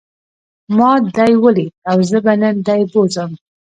ما دی وليد او زه به نن دی بوځم.